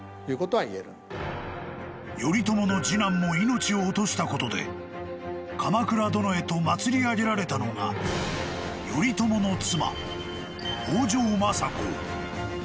［頼朝の次男も命を落としたことで鎌倉殿へと祭り上げられたのが頼朝の妻北条政子］